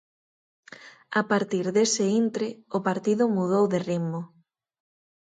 A partir dese intre, o partido mudou de ritmo.